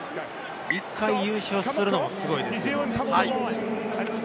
一回優勝するのもすごいんですよ。